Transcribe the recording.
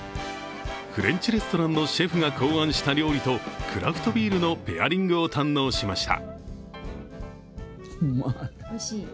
フレンチレストランのシェフが考案した料理と、クラフトビールのペアリングを堪能しました。